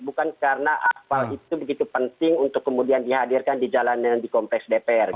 bukan karena hafal itu begitu penting untuk kemudian dihadirkan di jalanan di kompleks dpr